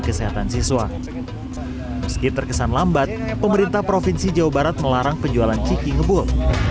kesehatan siswa meski terkesan lambat pemerintah provinsi jawa barat melarang penjualan ciki ngebul